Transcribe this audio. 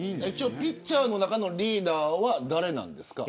ピッチャーのリーダーは誰なんですか。